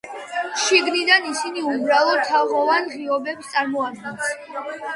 შიგნიდან ისინი უბრალოდ თაღოვან ღიობებს წარმოადგენს.